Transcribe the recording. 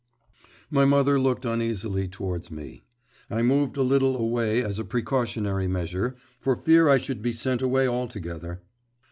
My mother looked uneasily towards me. I moved a little away as a precautionary measure, for fear I should be sent away altogether.